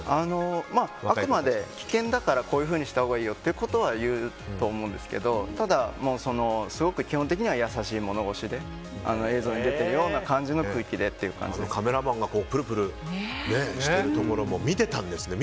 あくまで危険だからこういうふうにしたほうがいいよということは言うと思うんですけどただ、すごく基本的には優しい物腰で映像に出ているような空気でカメラマンがプルプルしてるところも見てたんですね。